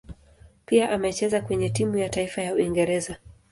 Pia amecheza kwenye timu ya taifa ya Uingereza.